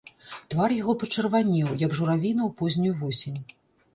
Твар яго пачырванеў, як журавіна ў познюю восень.